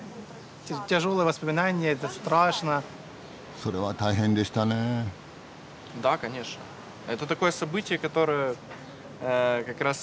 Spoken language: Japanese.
それは大変でしたねえ。